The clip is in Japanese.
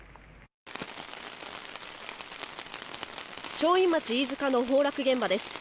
正院町飯塚の崩落現場です。